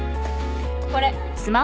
これ。